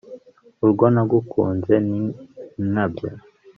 urwo nagukunze ni inkabya